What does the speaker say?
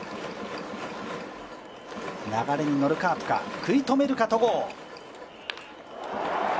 流れに乗るカープか、食い止めるか、戸郷。